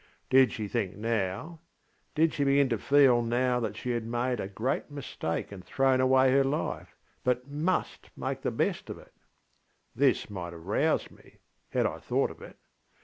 Did she think nowŌĆödid she begin to feel now that she had made a great mistake and thrown away her life, but must make the best of it? This might have roused me, had I thought of it.